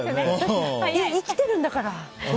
生きてるんだから。